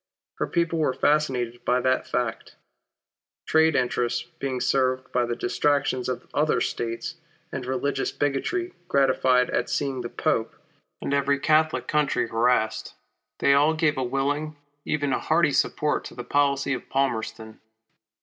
Her people were fascinated by that fact. Trade interests being served by the distractions of other States, and religious bigotry gratified at seeing the Pope, and every Catholic country harassed, they all gave a willing, even a hearty support to the policy of Palmerston.